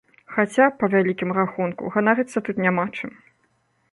Хаця, па вялікім рахунку, ганарыцца тут няма чым.